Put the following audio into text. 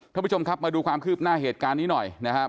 ท่านผู้ชมครับมาดูความคืบหน้าเหตุการณ์นี้หน่อยนะครับ